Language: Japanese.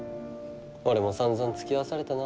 俺もさんざんつきあわされたな。